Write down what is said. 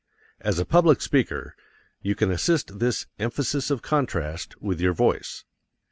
As a public speaker you can assist this emphasis of contrast with your voice.